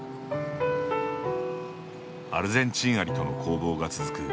アルゼンチンアリとの攻防が続く